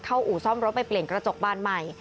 อู่ซ่อมรถไปเปลี่ยนกระจกบานใหม่